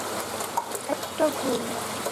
একটা ছোট্ট ভুল।